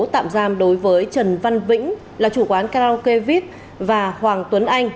tạm giam đối với trần văn vĩnh là chủ quán karaoke vip và hoàng tuấn anh